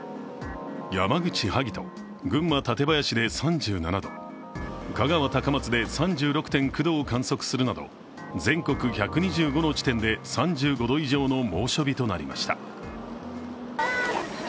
山口・萩と群馬・竹林で３７度、香川・高松で３６．９度を観測するなど全国１２５の地点で、３５度以上の猛暑日となりました。